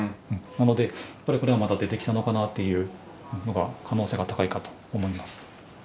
なのでやっぱりこれはまた出てきたのかなっていう可能性が高いかと思います。